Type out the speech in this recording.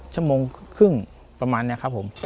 ฉมวงครึ่งประมาณนี้